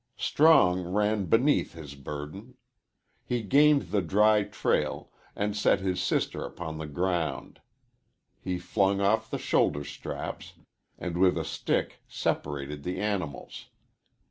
Strong ran beneath his burden. He gained the dry trail, and set his sister upon the ground. He flung off the shoulder straps, and with a stick separated the animals.